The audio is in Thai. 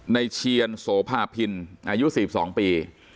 เชียนโสภาพินอายุ๔๒ปี